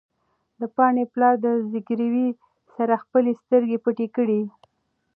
د پاڼې پلار د زګېروي سره خپلې سترګې پټې کړې.